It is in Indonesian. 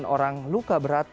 delapan orang luka berat